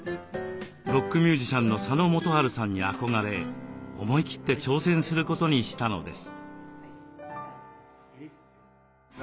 ロックミュージシャンの佐野元春さんに憧れ思い切って挑戦することにしたのです。